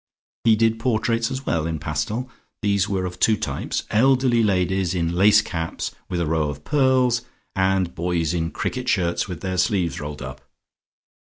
He did portraits as well in pastel; these were of two types, elderly ladies in lace caps with a row of pearls, and boys in cricket shirts with their sleeves rolled up.